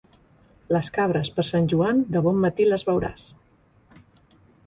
Les cabres, per Sant Joan, de bon matí les veuràs.